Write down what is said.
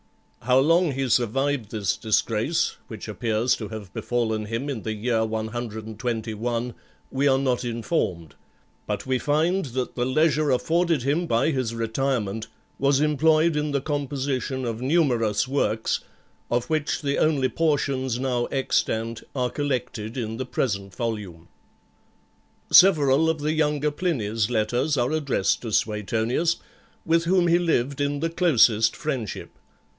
How long he survived this disgrace, which appears to have befallen him in the year 121, we are not informed; but we find that the leisure afforded him by his retirement, was employed in the composition of numerous works, of which the only portions now extant are collected in the present volume. Several of the younger Pliny's letters are addressed to Suetonius, with whom he lived in the closest friendship.